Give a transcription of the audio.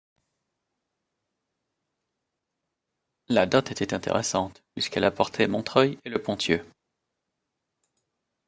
La dot était intéressante, puisqu'elle apportait Montreuil et le Ponthieu.